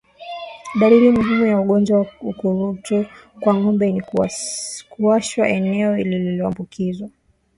Dalili muhimu ya ugonjwa wa ukurutu kwa ngombe ni kuwashwa eneo lililoambukizwa